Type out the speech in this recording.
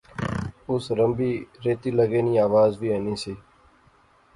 اس رمبی ریتی لغے نی آواز وی اینی سی